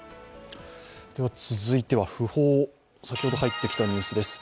続いては、訃報、先ほど入ってきたニュースです。